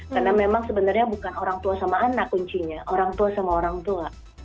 karena memang sebenarnya bukan orang tua sama anak kuncinya orang tua sama orang tua